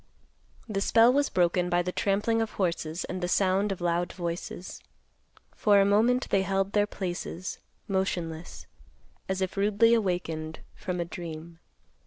The spell was broken by the trampling of horses and the sound of loud voices. For a moment they held their places, motionless, as if rudely awakened from a dream.